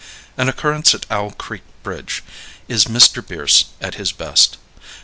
"An Occurrence at Owl Creek Bridge"[A] is Mr. Bierce at his best.